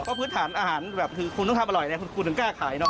เพราะพื้นฐานอาหารแบบคือคุณต้องทำอร่อยเนี่ยคุณถึงกล้าขายเนาะ